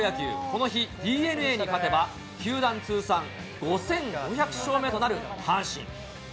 この日、ＤｅＮＡに勝てば、球団通算５５００勝目となる阪神。